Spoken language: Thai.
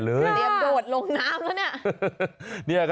เตรียมโดดลงน้ำแล้วเนี่ย